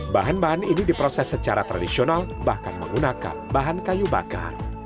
bahan bahan ini diproses secara tradisional bahkan menggunakan bahan kayu bakar